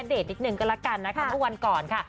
เดทนิดหนึ่งก็ละกันนะคะทุกวันก่อนค่ะ